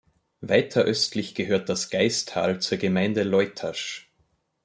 Weiter östlich gehört das Gaistal zur Gemeinde Leutasch.